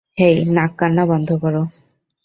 হেই, নাককান্না বন্ধ কর।